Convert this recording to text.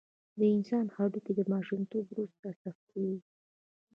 د انسان هډوکي د ماشومتوب وروسته سختېږي.